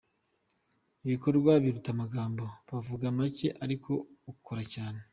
Ibikorwa biruta amagambo, wavuga make ariko ugakora cyane.